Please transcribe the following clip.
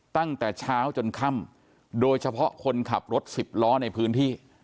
ตั้งแต่เช้าจนค่ำโดยเฉพาะคนขับรถสิบล้อในพื้นที่